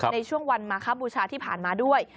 ในช่วงวันมาคบูชาที่ผ่านมาด้วย